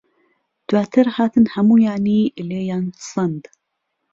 دواتر هاتن هەموویانی لێیان سەند.